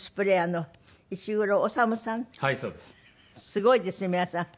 すごいですよ皆さん。